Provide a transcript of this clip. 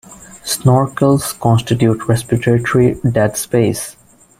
Snorkels constitute respiratory dead space.